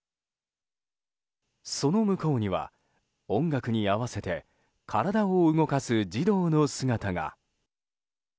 その向こうには音楽に合わせて体を動かす児童の姿が。